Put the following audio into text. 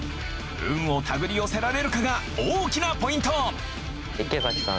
運を手繰り寄せられるかが大きなポイント池崎さん